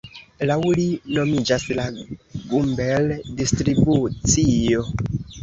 Laŭ li nomiĝas la Gumbel-Distribucio.